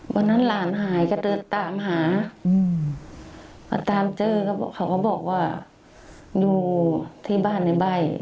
วันนั้นหลานหายก็เดินตามหาพอตามเจอก็เขาก็บอกว่าอยู่ที่บ้านในใบ้